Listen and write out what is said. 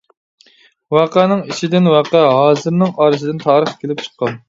ۋەقەنىڭ ئىچىدىن ۋەقە، ھازىرنىڭ ئارىسىدىن تارىخ كېلىپ چىققان.